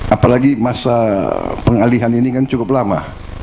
apalagi masa pengalihan ini kan cukup lama